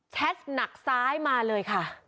หนักซ้ายมาเลยค่ะ